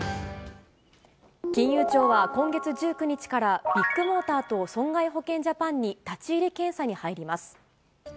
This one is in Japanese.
金融庁は今月１９日から、ビッグモーターと損害保険ジャパンに立ち入り検査に入ります。